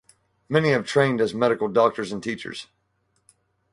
Many have trained as medical doctors and teachers.